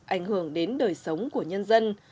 ảnh hưởng đến đời sống của nhân dân